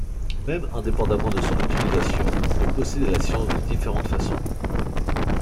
Même indépendamment de son utilisation, on peut posséder la science de différentes façons.